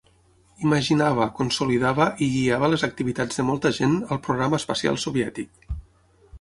Imaginava, consolidava i guiava les activitats de molta gent al Programa espacial soviètic.